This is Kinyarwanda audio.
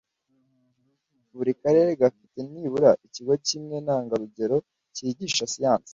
buri karere gafite nibura ikigo kimwe ntangarugero cyigisha siyansi